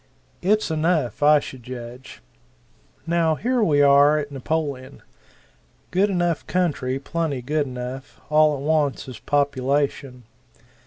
It's enough, I should judge. Now here we are at Napoleon. Good enough country plenty good enough all it wants is population.